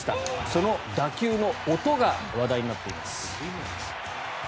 その打球の音が話題になっています。